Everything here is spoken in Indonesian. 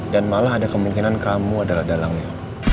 dan malah ada kemungkinan kamu adalah dalangnya